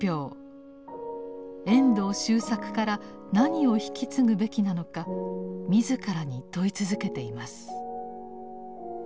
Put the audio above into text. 遠藤周作から何を引き継ぐべきなのか自らに問い続けています。